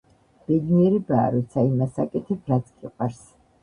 ბედნიერებაა, როცა იმას აკეთებ, რაც გიყვარს.